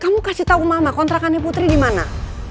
mama kontrakannya putri dimana